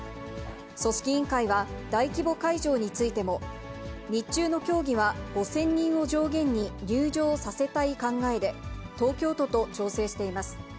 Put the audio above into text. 組織委員会は大規模会場についても、日中の競技は５０００人を上限に入場させたい考えで、東京都と調整しています。